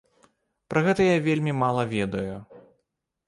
Пра гэта я вельмі мала ведаю.